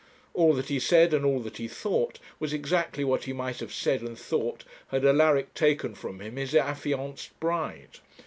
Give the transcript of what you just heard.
All that he said and all that he thought was exactly what he might have said and thought had Alaric taken from him his affianced bride.